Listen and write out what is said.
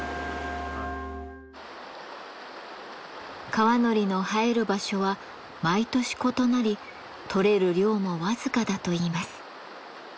川海苔の生える場所は毎年異なり採れる量も僅かだといいます。